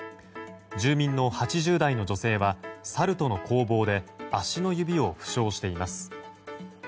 住民の８０代の女性はサルとの攻防で足の指を負傷しています。